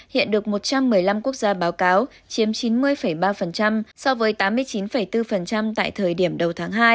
hiện được một trăm một mươi năm quốc gia báo cáo chiếm chín mươi ba so với tám mươi chín bốn tại thời điểm đầu tháng hai